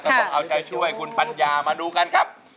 ต้องเอาใจช่วยคุณปัญญามาดูกันครับ